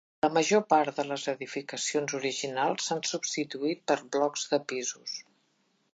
La major part de les edificacions originals s'han substituït per blocs de pisos.